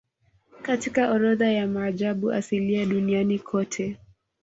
Katika orodha ya maajabu asilia duniani kote